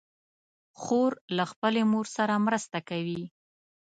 خور له خپلې مور سره مرسته کوي.